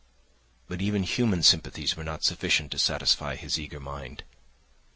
But even human sympathies were not sufficient to satisfy his eager mind.